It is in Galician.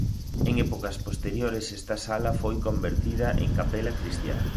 En épocas posteriores esta sala foi convertida en capela cristiá.